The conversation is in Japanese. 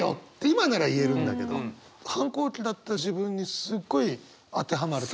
今なら言えるんだけど反抗期だった自分にすごい当てはまる。